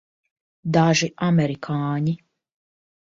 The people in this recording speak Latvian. Daži amerikāņi.